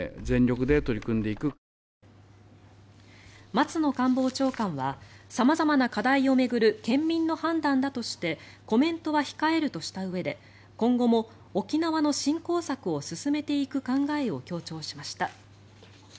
松野官房長官は様々な課題を巡る県民の判断だとしてコメントは控えるとしたうえで今後も沖縄の振興策を進めていく考えを強調しました。